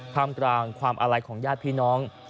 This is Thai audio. ท่ามกลางความอาลัยของญาติพี่น้อง